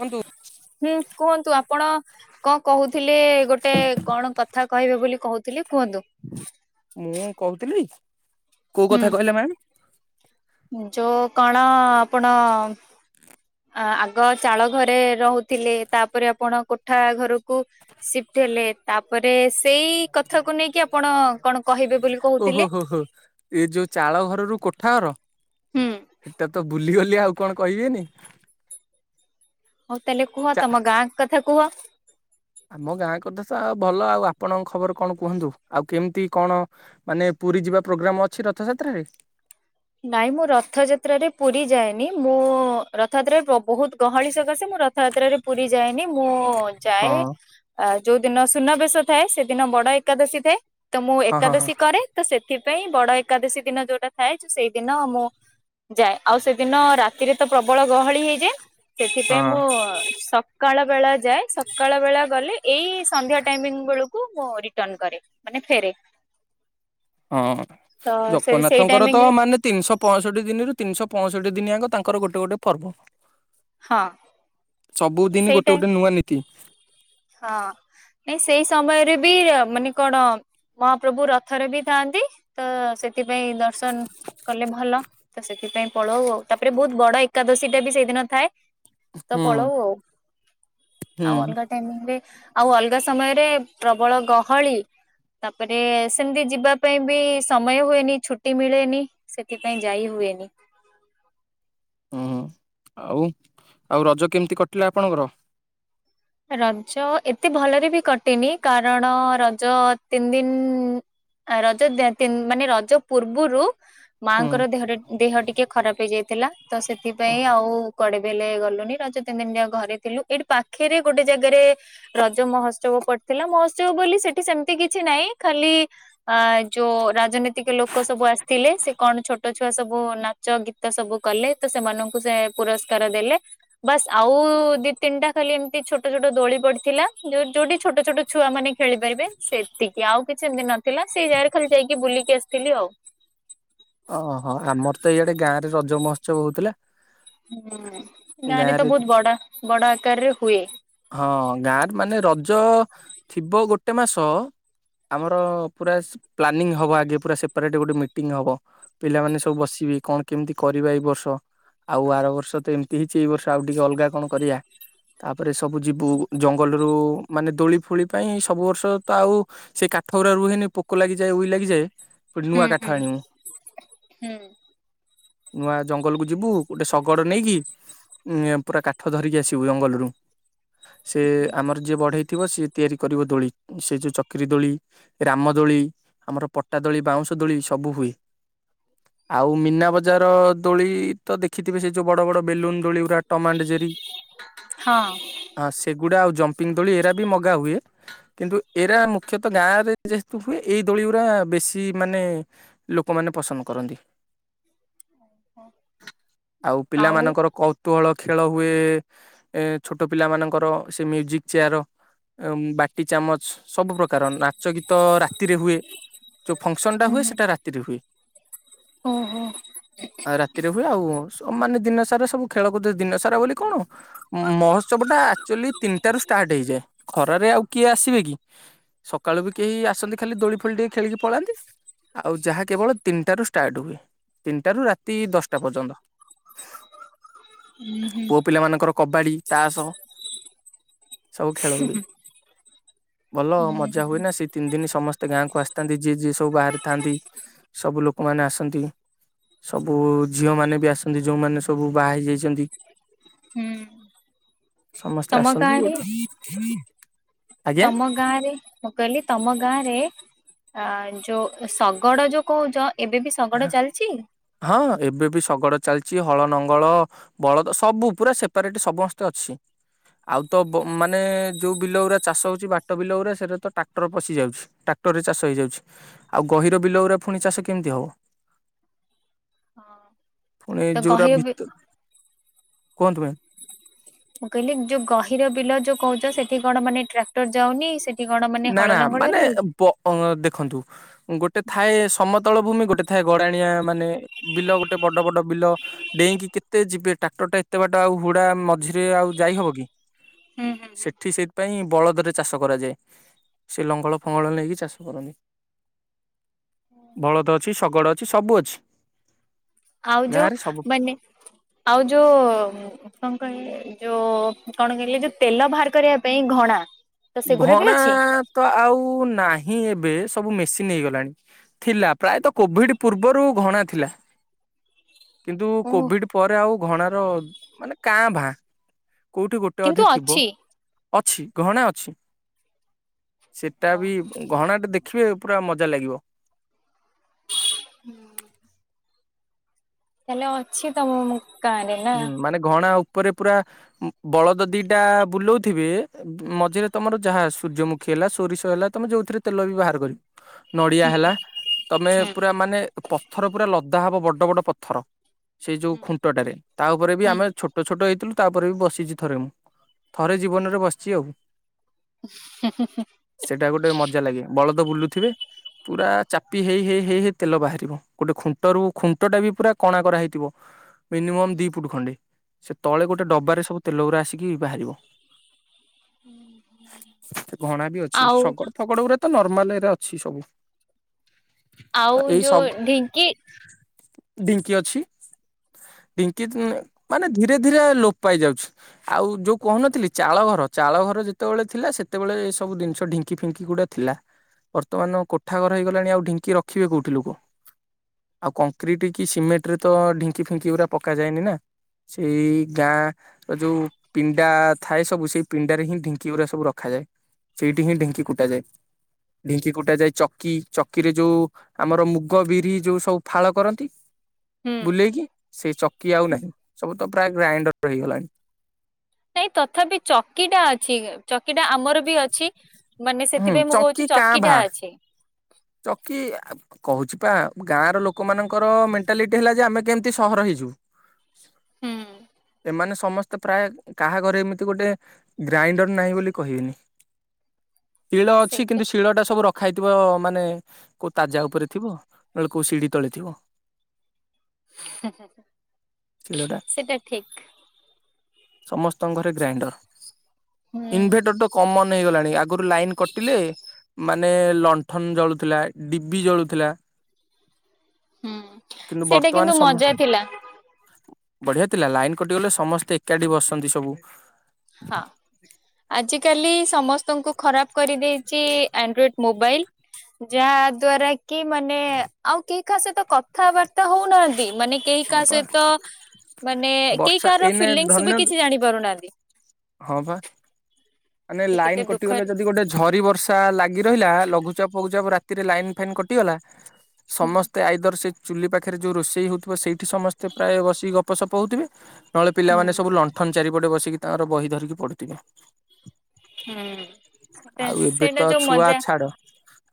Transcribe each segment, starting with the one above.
କୁହନ୍ତୁ। ହୁଁ, କୁହନ୍ତୁ ଆପଣ କଁ କହୁଥିଲେ ଗୋଟେ କଣ କଥା କହିବି ବୋଲି କହୁଥିଲେ କୁହନ୍ତୁ। ମୁଁ କହୁଥିଲି, କୋଉ କଥା କହିଲେ ମ୍ୟାମ? ଯୋଉ କଣ ଆପଣ ଆ ଆଗ ଚାଳ ଘରେ ରହୁଥିଲି ତାପରେ ଆପଣ କୋଠା ଘରକୁ ସିଫ୍ଟ ହେଲେ ତାପରେ ସେଇ କଥାକୁ ନେଇକି ଆପଣ କଣ କହିବେ ବୋଲି କହୁଥିଲେ? ଓଃ ଇଏ ଯୋଉ ଚାଳ ଘରରୁ କୋଠା ଘର। ହେଟା ତ ବୁଲିଗଲି ଆଉ କଣ କହିବେନି? ହଉ ତାହେଲେ କୁହ ଚା ତମ ଗାଁ କଥା କୁହ। ଆମ ଗାଁ କଥା ସ ଭଲ ଆଉ ଆପଣଙ୍କ ଖବର କଣ କୁହନ୍ତୁ? ଆଉ କେମିତି କଣ? ମାନେ ପୁରୀ ଯିବା ପ୍ରୋଗ୍ରାମ ଅଛି ରଥଯାତ୍ରରେ? ନାଇଁ ମୁଁ ରଥଯାତ୍ରାରେ ପୁରୀ ଯାଏନି। ମୁଁ ରଥଯାତ୍ରାରେ ପ୍ର ବହୁତ ଗହଳି ସକାଶେ ମୁଁ ର ରଥଯାତ୍ରାରେ ପୁରୀ ଯାଏନି ମୁଁ ହଁ ଯାଏ ଆ ଯୋଉ ଦିନ ସୁନାବେଶ ଥାଏ ସେଦିନ ବଡ ଏକାଦଶୀ ଥାଏ, ତ ମୁଁ ହଁ ହଁ ହଁ ଏକାଦଶୀ କରେ। ତ ସେଥିପାଇଁ ବଡ ଏକାଦଶୀ ଦିନ ଯୋଉଟା ଥାଏ ଯୋଉ ସେଇ ଦିନ ମୁଁ ଯାଏ। ଆଉ ସେଦିନ ରାତିରେ ତ ପ୍ରବଳ ଗହଳି ହେଇଯାଏ ସେଥିପାଇଁ ମୁଁ ହଁ ସ ସକାଳ ବେଳା ଯାଏ। ସକାଳ ବେଳା ଗଲେ ଏଇ ସନ୍ଧ୍ୟା ଟାଇମିଙ୍ଗ ବେଳ କୁ ମୁଁ ରିଟର୍ଣ କରେ ମାନେ ଫେରେ। ହଁ, ତ ସେ ସେଇ ଜଗନ୍ନାଥଙ୍କର ତ ଟାଇମିଂରେ ମାନେ ତିନିଶହ ପଇଁଷଠି ଦିନରୁ ତିନିଶହ ପଇଁଷଠି ଦିନଆ ତାଙ୍କର ଗୋଟେ ଗୋଟେ ପର୍ବ। ହଁ ସବୁଦିନ ଗୋଟେ ସେଇଟା ଗୋଟେ ନୂଆ ନୀତି। ହଁ, ନାଇଁ ସେଇ ସମୟରେ ବି ଅ ମାନେ କଣ? ମହାପ୍ରଭୁ ରଥରେ ବି ଥାଆନ୍ତି ତ ସେଥିପାଇଁ ଦର୍ଶନ କଲେ ଭଲ ତ ସେଥିପାଇଁ ପଳଉ ଆଉ ତାପରେ ବହୁତ ବଡ ଏକାଦଶୀ ଟା ବି ସେଇଦିନ ଥାଏ। ତ ହୁଁ ପଳଉ ଆଉ। ଆଉ ହୁଁ ଅଲଗା ଟାଇମିଙ୍ଗ ରେ ଆଉ ଅଲଗା ସମୟରେ ପ୍ରବଳ ଗହଳି। ତାପରେ ସେମିତି ଯିବା ପାଇଁ ବି ସମୟ ହୁଏନି ଛୁଟି ମିଳେନି। ସେଥିପାଇଁ ଯାଇ ହୁଏନି। ହୁଁ ହୁଁ। ଆଉ ଆଉ ରଜ କେମିତି କଟିଲା ଆପଣଙ୍କର? ରଜ, ଏତେ ଭଲରେ ବି କଟିନି କାରଣ ରଜ ତିନି ଦିନ ଆ ରଜ ଦ ତିନ ମାନେ ରଜ ପୂର୍ବରୁ ହୁଁ ମାଙ୍କର ଦେହ ଟା ଦେହ ଟିକେ ଖରାପ ହେଇଯାଇଥିଲା, ତ ସେଥିପାଇଁ ଆଉ କୁଆଡେ ବେଲେ ଗଲୁନି, ରଜ ତିନି ଦିନ ଯାଏ ଘରେ ଥିଲୁ ଏଇଠି ପାଖରେ ଗୋଟେ ଜାଗାରେ ରଜ ମହୋତ୍ସବ ପଡିଥିଲା। ମହୋତ୍ସବ ବୋଲି ସେଠି ସେମିତି କିଛି ନାହିଁ ଖାଲି ଆଁ ଯୋଉ ରାଜନୈତିକ ଲୋକ ସବୁ ଆସିଥିଲେ। ସେ କଣ ଛୋଟ ଛୁଆ ସବୁ ନା ଚ ଗୀତ ସବୁ କଲେ ତ ସେମାନଙ୍କୁ ସେ ପୁରସ୍କାର ଦେଲେ ବାସ୍ ଆଉ ଦି ତିନିଟା ଖାଲି ଏମିତି ଛୋଟ ଛୋଟ ଦୋଳି ପଡିଥିଲା ଯୋଉ ଯୋଉଟି ଛୋଟ ଛୋଟ ଛୁଆମାନେ ଖେଳି ପାରିବେ। ସେତିକି, ଆଉ କିଛି ଏମିତି ନଥିଲା ସେଇ ଜାଗାରେ ଖାଲି ଯାଇକି ବୁଲିକି ଆସିଥିଲି ଆଉ। ଓହୋ ଆମର ତ ଏଇଆଡେ ଗାଁରେ ରଜ ମହୋତ୍ସବ ହଉଥିଲା। ହୁଁ। ଗାଁରେ ତ ବହୁତ ବଡ, ବଡ ଆକାରରେ ହୁଏ। ହଁ ଗାଁରେ ମାନେ ରଜ ଥିବ ଗୋଟେ ମାସ ଆମର ପୁରା ପ୍ଲାନିଂ ହବ ଆଗେ ପୁରା ସେପାରେଟ୍ ଗୋଟେ ମିଟିଂ ହବ। ପିଲାମାନେ ସବୁ ବସିବି କଣ କେମିତି କରିବା ଏଇ ବର୍ଷ। ଆଉ ଆର ବର୍ଷ ତ ଏମିତି ହେଇଛି ଏଇ ବର୍ଷ ଆଉ ଟିକେ ଅଲଗା କଣ କରିବା? ତାପରେ ସବୁ ଯିବୁ ଜଙ୍ଗଲରୁୁ ମାନେ ଦୋଳି ଫୋଳି ପାଇଁ ସବୁ ବର୍ଷ ତ ଆଉ ସେ କାଠ ଗୁଡା ରୁହେନି ପୋକ ଲାଗିଯାଏ ଉଇ ଲାଗିଯାଏ ହୁଁ ନୂଆ କାଠ ଆଣିବୁ। ହୁଁ ନୂଆ ଜଙ୍ଗଲ କୁ ଯିବୁ ଗୋଟେ ଶଗଡ଼ ନେଇକି। ଉ ପୁରା କାଠ ଧରିକି ଆସିବୁ ଜଙ୍ଗଲରୁ ସେ ଆମର ଯିଏ ବଢ଼େହେଇଥିବ ସିଏ। ତିଆରି କରିବ ଦୋଳି ସେ ଯେଉଁ ଚକିରି ଦୋଳି। ରାମଦୋଳି ଆମର ପଟା ଦୋଳି ବାଉଁଶ ଦୋଳି ସବୁ ହୁଏ। ଆଉ ମୀନା ବଜାର ଦୋଳି ତ ଦେଖିଥିବେ ସେ ଯୋଉ ବଡ ବଡ ବେଲୁନ ଦୋଳି ପୁରା। ଟମାଣ୍ଡ ଜେରି ହଁ ହ ସେଗୁଡା ଆଉ ଜମ୍ପିଙ୍ଗ ଦୋଳି ଏରା ବି ମଗା ହୁଏ। କିନ୍ତୁ ଏରା ମୁଖ୍ୟତଃ ଗାଁ ରେ ଯେହେତୁ ହୁଏ ଏଇ ଦୋଳି ଗୁରା ବେଶୀ ମାନେ ଲୋକମାନେ ପସନ୍ଦ କରନ୍ତି ଆଉ ପିଲାମାନଙ୍କର କ କତୁହଳ ଖେଳ ହୁଏ। ଏ ଛୋଟ ପିଲା ମାନଙ୍କର ସେ ମ୍ୟୁଜିକ ଚେୟାର। ବାଟି ଚାମଚ ସବୁ ପ୍ରକାର ନାଚ ଗୀତ। ରାତିରେ ହୁଏ ଯୋଉ ଫଙ୍କସନ ଟା ହୁଏ ସେଟା ରାତିରେ ହୁଏ। ଓ ହୋ ଆଉ ରାତିରେ ହୁଏ ଆଉ ମାନେ ଦିନ ସାରା ସବୁ ଖେଳକୁଦ ଦିନ ସାରା ବୋଲି କଣ ମହୋତ୍ସବ ଟା ଆଚୁଆଲି ତିନିଟ ର ଷ୍ଟାର୍ଟ ହେଇଯାଏ। ଖରାରେ ଆଉ କିଏ ଆସିବେ କି? ସକାଳୁ ବି କେହି ଆସନ୍ତି ଖାଲି ଦୋଳି ଫୋଳି ଟିକେ ଖେଳିକି ପଳାନ୍ତି। ଆଉ ଯାହା କେବଳ ତିନିଟ ର ଷ୍ଟାର୍ଟ ହୁଏ ତିନିଟ ର ରାତି ଦଶଟା ପର୍ଯ୍ୟନ୍ତ। ହୁଁ। ପୁଅ ପିଲାମାନାନଙ୍କର କବାଡ଼ି, ତାସ ସବୁ ଖେଳ ହୁଏ ଭଲ ହୁଁ ମଜା ହୁଏ ନା ଶ ତିନି ଦିନ ସମସ୍ତେ ଗାଁ କ ଆସିଥାନ୍ତି ଯିଏ ଯିଏ ସବୁ ବାହାରେ ଥାନ୍ତି ସବୁ ଲୋକମାନେ ଆସନ୍ତି। ସବୁ ଝିଅ ମାନେ ବି ଆସନ୍ତି ଯୋଉମାନେ ସବୁ ବାହା ହେଇ ଯାଇଛନ୍ତି। ହୁଁ ସମସ୍ତେ ତମ ଆସନ୍ତି। ଗାଁରେ ଗୋଟେ ଆଜ୍ଞା ତମ ଗାଁରେ ମୁଁ କଇଲି ତମ ଗାଁ ରେ ଅ ଯୋଉ ଶଗଡ ଯୋଉ କହୁଛ ଏବେ ବି ଶଗଡ ଚାଲିଛି। ହଁ ଏବେ ବି ଶଗଡ଼ ଚାଲିଛି। ହଳ ନଙ୍ଗଳ ବଳଦ ସବୁ ପୁରା ସେପାରେଟ ସମସ୍ତେ ଅଛି। ଆଉ ତ ମାନେ ଯୋଉ ବିଲ ଗୁଡା ଚାଷ ହଉଛି ବାଟ ବିଲ ଉରା ସେଟା ତ ଟ୍ରାକ୍ଟର ପଶି ଯାଉଛି। ଟ୍ରାକ୍ଟରରେ ଚାଷ ହେଇଯାଉଛି ଆଉ ଗହିର ବିଲଉରା ପୁଣି ଚାଷ କେମିତି ହେବ। ହଁ ପୁଣି ଏ ଯଉରା ଭିତର କୁହନ୍ତୁ ମ୍ୟା ମୁଁ କହିଲି ଯୋଉ ଗହିର ବିଲ ଯୋଉ କହୁଛ ସେଠି କଣ ମାନେ ଟ୍ରାକ୍ଟର ଯାଉନି। ସେଠି କଣ ମାନେ ହଳ ଲଙ୍ଗଳରେ ହଉଛି। ପ ଦେଖନ୍ତୁ ଗୋଟେ ଥାଏ ସମତଳ ଭୂମି ଗୋଟେ ଥାଏ ଗରାଣିଆ ମାନେ ବିଲ ଗୋଟେ ବଡ ବଡ ବିଲ। ଡେଇଁକି କେତେ ଯିବେ ଟ୍ରାକ୍ଟର ଟା ଏତେ ବାଟ ଆଉ ହୁଡା ମଝିରେ ଆଉ ଯାଇହବ କି? ହୁଁ ହୁଁ ହୁଁ। ସେଠି ସେଥିପାଇଁ ବଳଦରେ ଚାଷ କରାଯାଏ। ସେ ଲଙ୍ଗଳ ଫଙ୍ଗଳ ନେଇକି ଚାଷ କରନ୍ତି। ଭଳଦ ଅଛି ଶଗଡ଼ ଅଛି ସବୁ ଅଛି। ଆଉ ଯୋ ଗାଁରେ ସବୁ ମାନେ ଆଉ ଯୋ କଣ କହିଲେ ଯୋଉ କଣ କହିଲେ ଯୋଉ ତେଲ ବାହାର କରିବା ପାଇଁ ଘଣା। ତ ସେଗୁରା ବି ଘଣା ଅଛି? ତ ଆଉ ନାହିଁ ଏବେ ସବୁ ମେସିନ୍ ହେଇଗଲାଣି। ଥିଲା। ପ୍ରାୟତଃ କୋଭିଡ ପୂର୍ବରୁ ଘଣା ଥିଲା। କିନ୍ତୁ ଓହୋ କୋଭିଡ ପରେ ଆଉ ଘଣାର ମାନେ କାଁ ଭାଁ କୋଉଠି ଗୋଟେ କିନ୍ତୁ ଅଧେ ଥିବ। ଅଛି ଅଛି ଘଣା ଅଛି। ସେଟା ଓ ବି ଘଣା ଟେ ଦେଖିବେ ପୁରା ମଜା ଲାଗିବ। ହୁଁ। ତାହେଲେ ଅଛି ତମ ମୁ ହୁଁ ମାନେ ଘଣା ଉପରେ ପୁରା ବଳଦ ଦିଟା ବୁଲେଉଥିବେ ମଝିରେ ତମର ଯାହା ସୂର୍ଯ୍ୟମୁଖୀ ହେଲା, ସୋରିଷ ହେଲା ତମେ ଯୋଉଥିରେ ତେଲ ବି ବାହାର କରିବ। ନଡିଆ ହେଲା ତମେ ହୁଁ ପୁରା ମାନେ ପଥର ପୁରା ଲଦା ହବ ବଡ ବଡ ପଥର। ସେଇ ଯୋଉ ଖୁଣ୍ଟଟାରେ ତା ଉପରେ ବି ହୁଁ। ଆମେ ଛୋଟ ଛୋଟ ଛୋଟ ହେଇଥିଲୁ ତାପରେ ବି ବସିଛି। ଥରେ ମୁଁ ଥରେ ଜୀବନ ରେ ବସିଛି ଆଉ। [inaudible] ସେଟା ଗୋଟେ ମଜା ଲାଗେ। ବଳଦ ବୁଲୁଥିବେ। ପୁରା ଚାପି ହେଇ ହେଇ ହେଇ ହେଇ ତେଲ ବାହାରିବ। ଗୋଟେ ଖୁଣ୍ଟରୁ ଖୁଣ୍ଟ ଟା ବି ପୁରା କଣା କରା ହେଇଥିବ। ମିନିମମ୍ ଦି ଫୁଟ ଖଣ୍ଡେ ସେ ତଳେ ଗୋଟେ ଡବାରେ ସବୁ ତେଲ ଗୁରା ଆସିକି ବାହାରିବ। ଘଣା ବି ଅଛି ଆଉ ଶଗଡ ଫଗଡଗୁରେ ତ ନର୍ମାଲରେ ଅଛି ସବୁ। ଆଉ ତ ଏଇ ଯୋଉ ସବ୍ ଢିଙ୍କି ଡିଉଟି ଅଛି। ଇଙ୍କିତି ମାନେ ଧୀରେ ଧୀରେ ଲୋପ ପାଇ ଯାଉଛି। ଆଉ ଯୋଉ କହୁନଥିଲି ଚାଳ ଘର ଚାଳ ଘର ଯେତେବେଳେ ଥିଲା ସେତେବେଳେ ଏ ସବୁ ଜିନିଷ ଢିଙ୍କି ଫିଙ୍କି ଗୁଡ଼ା ଥିଲା ବର୍ତ୍ତମାନ କୋଠା ଘର ହେଇଗଲାଣି ଆଉ ଢିଙ୍କି ରଖିବେ କୋଉଠି ଲୋକ। ଆଉ କଂକ୍ରିଟ କି ସିମେଣ୍ଟ ରେ ତ ଢିଙ୍କି ଫିଙ୍କି ଗୁରା ପକା ଯାଏନି ନା। ସେଇ ଗାଁ ଯୋଉ ପିଣ୍ଡା ଥାଏ ସବୁ ସେଇ ପିଣ୍ଡାରେ ହିଁ ଢିଙ୍କି ଗୁରା ସବୁ ରଖାଯାଏ। ସେଇଠି ହିଁ ଢିଙ୍କି କୁଟା ଯାଏ ଢିଙ୍କି କୁଟା ଯାଏ ଚକି ଚକିରେ ଯୋଉ ଆମର ମୁଗ ବିରି ଯୋଉ ସବୁ ଫାଳ କରନ୍ତି ହୁଁ। ବୁଲେଇକି ସେ ଚକି ଆଉ ନାହିଁ ସବୁ ତ ପ୍ରାୟ ଗ୍ରାଇଣ୍ଡରତହେଇଗଲାଣି। ନାଇଁ ତଥାପି ଚକିଟା ଅଛି। ଚକିଟା ଆମର ବି ଅଛି ମାନେ ହୁଁ ସେଥିପାଇଁ ମୁଁ ଚକି କହୁଛି କାଁ ଚକିଟା ଭାଁ ଅଛି। ଚକି ଆ କହୁଚି ପା ଗାଁ ର ଲୋକମାନଙ୍କର ମେଣ୍ଟାଲିଟି ହେଲା ଯେ ଆମେ କେମିତି ସହର ହେଇଯିବୁ। [unintelligible] ମାନେ ସମସ୍ତେ ପ୍ରାୟ କାହା ଘରେ ଏମିତି ଗୋଟେ ଗ୍ରାଇଣ୍ଡର ନାହିଁ ବୋଲି କହିବିନି। [unintelligible] ଶିଳ ଅଛି ସେଇଟା କିନ୍ତୁ ଶିଳ ଟା ସବୁ ରଖାହେଇଥିବ ମାନେ କୋଉ ତାଜା ଉପରେ ଥିବ ନହେଲେ କୋଉ ସିଢି ତଳେ ଥିବ। ହୁଁ ହୁଁ ଶିଳଟା ସେଟା ଠିକ୍। ସମସ୍ତଙ୍କ ଘରେ ହୁଁ ଗ୍ରାଇଣ୍ଡର ଇନଭେଟର ତ କମନ ହେଇଗଲାଣି ଆ ଆଗରୁ ଲାଇନ କଟିଲେ ମାନେ ଲଣ୍ଠନ ଜଳୁଥିଲା ଡିବି ଜଳୁଥିଲା। ହୁଁ କିନ୍ତୁ ସେଇଟା ବର୍ତ୍ତମାନ ସମ ମଜା ଥିଲା ବଢିଆ ଥିଲା ଲାଇନ କଟିଗଲେ ସମସ୍ତେ ଏକାଠି ବସନ୍ତି ସବୁ ହଁ। ଆଜିକାଲି ସମସ୍ତଙ୍କୁ ଖରାପ କରିଦେଇଛି ଆଣ୍ଡ୍ରଏଡ୍ ମୋବାଇଲି। ଯାହା ଦ୍ଵାରା କି ମାନେ ଆଉ କେହି କାହା ସହିତ କଥାବାର୍ତ୍ତା ହଉନାହାନ୍ତି ମାନେ କେହି ହଁ କାହା ପା ସହିତ ମାନେ କେହି ବର୍ଷା କାହାର ଏଇନେ ଫିଲିଙ୍ଗ୍ସ ଧନ୍ୟ ବି କିଛି ଜାଣି ପାରୁନାହାନ୍ତି। ହଁ ପା, ମାନେ କି କେତେ ଲାଇନ୍ କଟିଗଲେ ଦୁଃଖରେ ଯଦି ଗୋଟେ ଝରି ବର୍ଷା ଷା ଲାଗି ରହିଲା, ଲଘୁଚାପ ଫଘୁଚାପ ରାତିରେ ଲାଇନ୍ ଫାଇନ୍ କଟିଗଲା, ସମସ୍ତ ତେ ଆଇଦର ସେ ଚୁଲି ପାଖରେ ଯୋଉ ରୋଷେଇ ହଉଥିବ ସେଇଠି ସମସ୍ତେ ପ୍ରାୟ ବସିକି ଗପ ସପ ହଉଥିବେ। ନହେଲେ ହୁଁ ପିଲାମାନେ ସବୁ ହୁଁ। ଲଣ୍ଠନ ଚାରିପଟେ ବସିକି ତାଙ୍କର ବହି ଧରିକି ପଢୁଥିବେ। ହୁଁ। ଆଉ ଏବେ ତ ଛୁଆ ଛାଡ଼।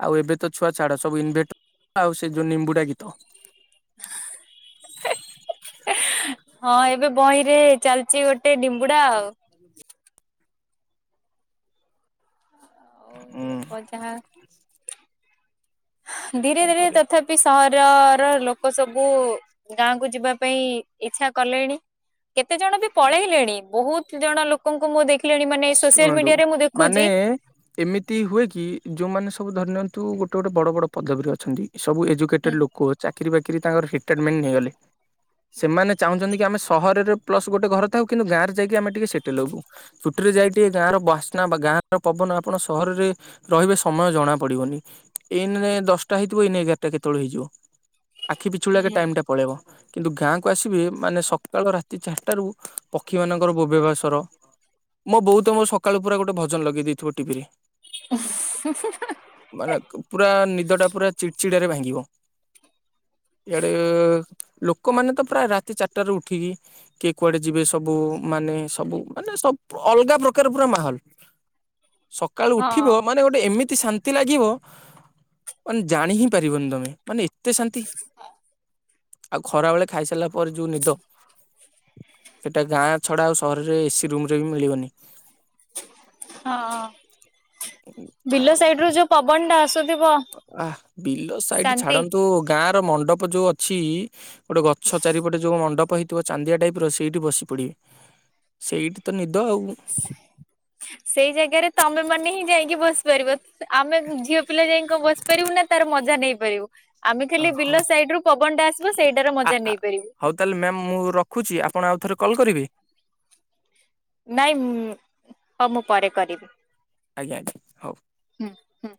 ଆଉ ଏବେ ତ ଛୁଆ ଛାଡ ସବୁ ଇନଭେଟର ଆଉ ସେ ଯୋଉ ନିମ୍ବୁଡା ଗୀତ। [inaudible] ହଁ ଏବେ ବହିରେ ଚାଲିଚି ଗୋ ଗୋଟେ ନିମ୍ବୁଡ଼ା ଆଉ। ଆଉ ଲୋକ ଯାହା ଧୀରେ କଣ ଧୀରେ କରିବା। ତଥା ପି ସହରର ଲୋକ ସବୁ ଗାଁକୁ ଯିବା ପାଇଁ ଇଚ୍ଛା କଲେଣି। କେତେ ଜଣ ବି ପଳେଇଲେଣି ବହୁତ ଜଣ ଲୋକଙ୍କୁ ମୁଁ ଦେଖ୍ ଖିଲେଣି ମାନେ ଏଇ ସୋସିଆଲ୍ ଶୁଣନ୍ତୁ ମିଡିଆରେ ମୁଁ ମାନେ ଦେଖୁଛି ଏମିତି ହୁଏ କି ଯୋଉମାନେ ସବୁ ଧରି ନିଅନ୍ତୁ ଗୋଟେ ଗୋଟେ ବଡ଼ ବଡ଼ ପଦବୀରେ ଅଛନ୍ତି। ସବୁ ହୁଁ ଏଜୁକେଟେଡ୍ ଲୋକ, ଚାକିରୀ ବାକିରୀ ତାଙ୍କର [unintelligible] ରିଟାର୍ଡଟମେଣ୍ଟ ନେଇଗଲେ, ସେମାନେ ଚାହୁଁଛନ୍ତି କି ଆମେ ସହରରେ ପ୍ଲସ୍ ଗୋଟେ ଘରେ ଥାଉ କିନ୍ତୁ ଗାଁରେ ଯାଇକି ଆମେ ଟିକେ ସେଟେଲ୍ ହବୁ। ଛୁଟ୍ରିରେ ଯାଇ ଟିକେ ଗାଁର ବାସ୍ନା ବା ଗାଁର ପବନ ଆପଣ ସହରରେ ରହିବେ ସମୟ ଜଣା ପଡ଼ିବନି, ଏଇନାରେ ଦଶଟା ହେଇଥିବ ଏଇନେ ଏଗାରଟା କେତୋଳେ ହେଇଯିବ। ଆଖି ପିଛୁଳାକେ ହୁଁ ଟାଇମ୍ ଟା ପଳେଇବ। କିନ୍ତୁ ଗାଁକୁ ଆସିବେ ମାନେ ସକାଳ ରାତି ଚାରିଟାରୁ ପକ୍ଷୀମାନଙ୍କର ବୋବେଇବା ସ୍ୱର। ମୋ ବୋଉ ତ ମୋ ସକାଳୁ ପୁରା ଗୋଟେ ଭଜନ ଲଗେଇ ଦେଇଥିବ ଟିଭିରେ। [unintelligible] ମାନେ କ୍ ପୁରା ନିଦଟା ପୁରା ଚିଡ଼ଚିଡ଼ାରେ ଭାଙ୍ଗିବ। ଇଆଡ଼େ ଲୋକମାନେ ତ ପ୍ରାୟ ରାତି ଚାରିଟାରୁ ଉଠିକି କିଏ କୁଆଡେ ଯିବେ ସବୁ ମାନେ ସବୁ ମାନେ ସବ୍ ଅଲଗା ପ୍ରକାର ପୁରା ମାହୋଲ୍, ସକାଳୁ ହଁ ଉଠିବ ମାନେ ଗୋଟେ ଏମି ତି ଶାନ୍ତି ଲାଗିବ ମାନେ ଜାଣି ହିଁ ପାରିବନି ତମେ। ମାନେ ଏତେ ଶାନ୍ତି, ଆଉ ଖରାବେଳେ ଖାଇସାରିଲା ପରେ ଯୋଉ ନିଦ। ଏଟା ଗାଁ ଛଡା ଆଉ ସହରରେ ଏସି ରୁମରେ ବି ମିଳିବନି। ହଁ ବିଲ ଆଉ ସାଇଡ଼ରୁ ଯୋଉ ପବନଟା ଆସୁଥିବ ଆଃ ବିଲ ସାଇଟ୍ ଶାନ୍ତି। ଛାଡନ୍ତୁ ଗାଁର ମଣ୍ଡପ ଯୋଉ ଅଛି ଗୋଟେ ଗଛ ଚାରିପଟେ ଯୋଉ ମଣ୍ଡପ ହେଇଥିବ ଚାନ୍ଦିଆ ଟାଇପର ସେଇଠି ବସି ପଡିବେ ସେଇଠି ତ ନିଦ ଆଉ। [inaudible] ସେଇ ଜାଗାରେ ତମେ ମାନେ ହିଁ ଯାଇଁକି ବସିପାରିବ, ଆମେ ଝିଅ ପିଲା ଯାଇଁ କଣ ବସି ପାରିବୁ ନା ତାର ମଜା ନେଇପାରିବୁ, ଆମେ ଆ ଖାଲି ହଉ ବିଲ ସାଇଡ଼ରୁ ପବନଟା ଆସିବ ସେଇଟାର ଆ ମଜା ଆ ନେଇପାରିବୁ। ହଉ ତାହାଲେ ମ୍ୟାମ୍ ମୁ ରଖୁଚି ଆପଣ ଆଉଥରେ କଲ୍ କରିବେ। ନାଇଁ, ହଁ ମୁଁ ପରେ କରିବି। ଆଜ୍ଞା। ହଉ। ହୁଁ ହୁଁ।